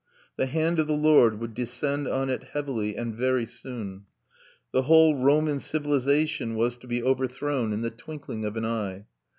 The hand of the Lord would descend on it heavily, and very soon. The whole Roman civilisation was to be overthrown in the twinkling of an eye.